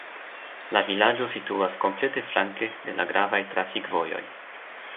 La vilaĝo situas komplete flanke de la gravaj trafikvojoj.